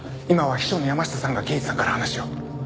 今は秘書の山下さんが刑事さんから話を。